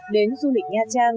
đến du lịch nha trang